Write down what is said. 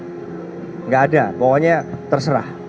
tidak ada pokoknya terserah